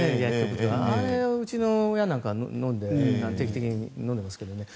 あれ、うちの親なんかは定期的に飲んでますけどね。